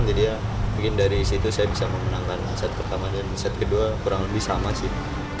jadi ya mungkin dari situ saya bisa memenangkan set pertama dan set kedua kurang lebih sama sih